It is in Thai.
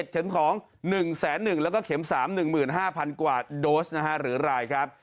เข็มของ๑๑๐๐แล้วก็เข็ม๓๑๕๐๐กว่าโดสหรือรายครับ